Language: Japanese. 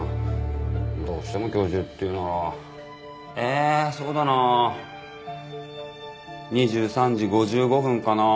どうしても今日中っていうならえそうだな２３時５５分かな。